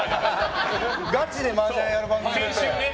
ガチでマージャンやる番組で。